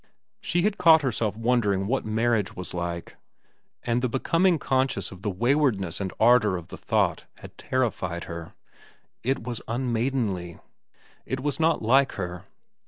She had caught herself wondering what marriage was like, and the becoming conscious of the waywardness and ardor of the thought had terrified her. It was unmaidenly. It was not like her.